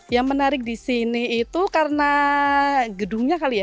yang menarik disini itu karena gedungnya kali ya